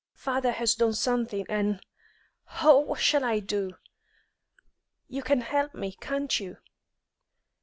Father has done something, and Oh, what shall I do? You can help me, can't you?"